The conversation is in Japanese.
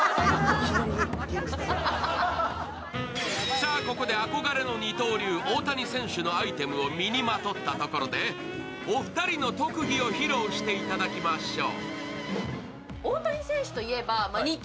さあ、ここで憧れの二刀流・大谷選手のアイテムを身にまとったところでお二人の特技を披露していただきましょう。